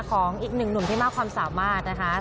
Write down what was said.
ของอีกหนึ่งหนุ่มที่มากความสามารถนะคะ